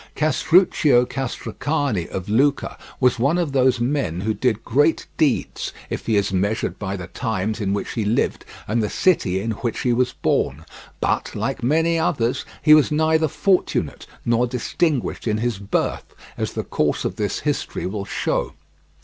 Castruccio Castracani of Lucca was one of those men who did great deeds, if he is measured by the times in which he lived and the city in which he was born; but, like many others, he was neither fortunate nor distinguished in his birth, as the course of this history will show.